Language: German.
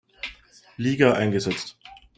Liga eingesetzt.